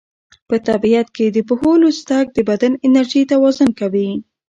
په طبیعت کې د پښو لوڅ تګ د بدن انرژي توازن کوي.